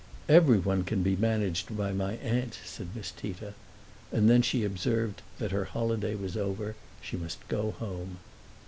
"Everyone can be managed by my aunt," said Miss Tita. And then she observed that her holiday was over; she must go home.